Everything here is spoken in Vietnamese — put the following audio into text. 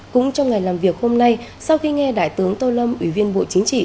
cũng trong ngày làm việc hôm nay sau khi nghe đại tướng tô lâm ủy viên bộ chính trị